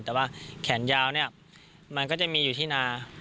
แต่ว่าแขนยาวเนี่ยมันก็จะมีอยู่ที่นา